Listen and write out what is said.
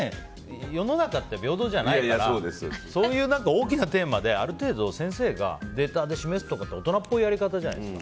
世の中って平等じゃないからそういう大きなテーマである程度先生がデータで示すって大人のやり方じゃないですか。